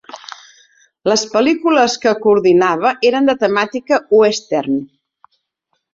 Les pel·lícules que coordinava eren de temàtica Western.